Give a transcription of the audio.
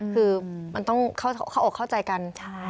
คือมันต้องเข้าใจกัน